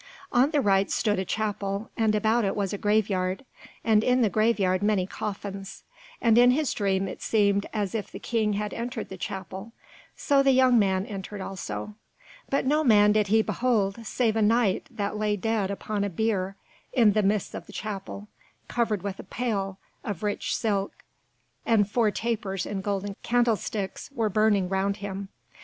On the right stood a chapel, and about it was a graveyard, and in the graveyard many coffins, and in his dream it seemed as if the King had entered the chapel, so the young man entered also. But no man did he behold save a Knight that lay dead upon a bier in the midst of the chapel, covered with a pall of rich silk, and four tapers in golden candlesticks were burning round him.